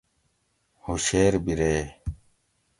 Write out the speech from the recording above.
ہُوشیر بِرے